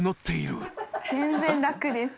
全然楽です。